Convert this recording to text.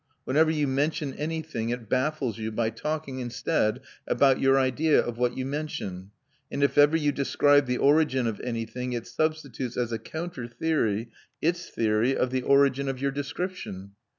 Whenever you mention anything, it baffles you by talking instead about your idea of what you mention; and if ever you describe the origin of anything it substitutes, as a counter theory, its theory of the origin of your description.